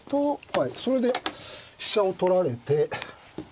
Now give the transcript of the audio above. はいそれで飛車を取られて。